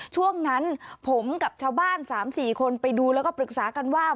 ช่วงนั้นผมกับชาวบ้าน๓๔คนไปดูแล้วก็ปรึกษากันว่า